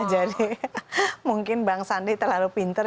jadi mungkin bang sandi terlalu pintar